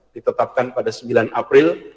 ditetapkan pada sembilan april dua ribu dua puluh